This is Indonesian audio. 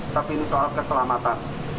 tapi ini soal keselamatan